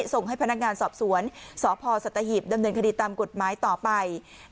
ส่งให้พนักงานสอบสวนสพสัตหีบดำเนินคดีตามกฎหมายต่อไป